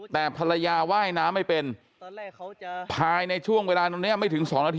แต่ภรรยาว่ายน้ำไม่เป็นตอนแรกเขาจะภายในช่วงเวลานี้ไม่ถึงสองนาที